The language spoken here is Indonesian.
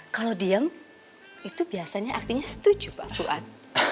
kalau diam itu biasanya artinya setuju pak buat